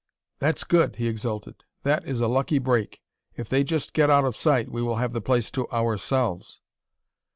"That's good," he exulted; "that is a lucky break. If they just get out of sight we will have the place to ourselves."